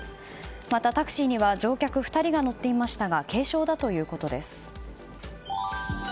またタクシーには乗客２人が乗っていましたが軽傷だということです。